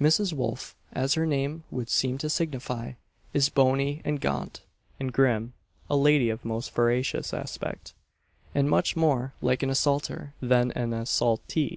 Mrs. Wolf, as her name would seem to signify, is bony and gaunt, and grim a lady of most voracious aspect, and much more like an assault_er_ than an assault_ee_.